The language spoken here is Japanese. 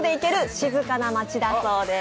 静かな街だそうです。